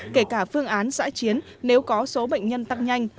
kể cả phương án giãi chiến nếu có số bệnh nhân tăng nhanh